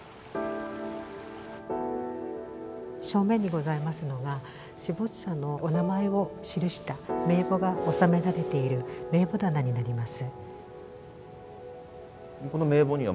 正面にございますのが死没者のお名前を記した名簿が収められている「名簿棚」になります。